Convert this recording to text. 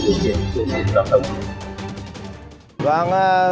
điều kiện sử dụng giao thông